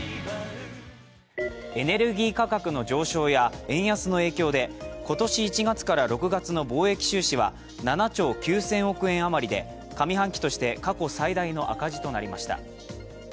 エネルギー価格の上昇や円安の影響で今年１月から６月の貿易収支は７兆９０００億円あまりで上半期として過去最大の赤字となりました。